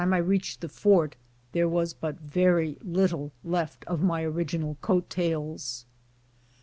I reached the fort there was but very little left of my orig inal coat tails.